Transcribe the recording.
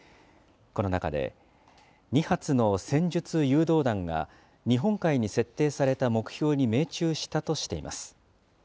この中で、２発の戦術誘導弾が、日本海に設定された目標に命中したとしています。